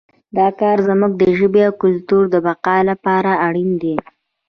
دا کار زموږ د ژبې او کلتور د بقا لپاره اړین دی